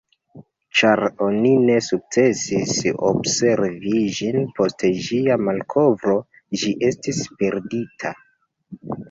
Ĉar oni ne sukcesis observi ĝin post ĝia malkovro, ĝi estis perdita.